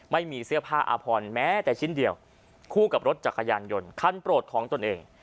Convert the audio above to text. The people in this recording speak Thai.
ไม่มีเสื้อผ้าอาพรแม้แต่ชิ้นเดียวคู่กับรถจักรยานยนต์คันโปรดของตนเอง